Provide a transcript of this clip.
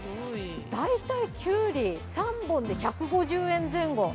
大体キュウリ３本で１５０円前後。